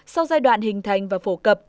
sau giai đoạn hình thành và phổ cập